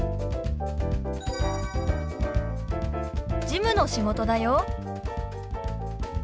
事務の仕事だよ。